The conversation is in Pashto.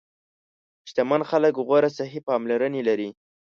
شتمن خلک غوره صحي پاملرنه لري.